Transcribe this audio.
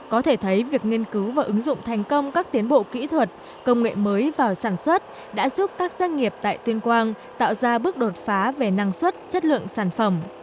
có thể thấy việc nghiên cứu và ứng dụng thành công các tiến bộ kỹ thuật công nghệ mới vào sản xuất đã giúp các doanh nghiệp tại tuyên quang tạo ra bước đột phá về năng suất chất lượng sản phẩm